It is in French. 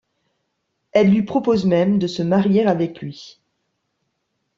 Elle lui propose même de se marier avec lui.